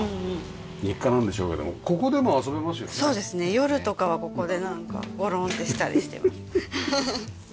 夜とかはここでなんかゴロンってしたりしてます。